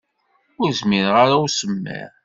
Ur zmireɣ ara i usemmiḍ.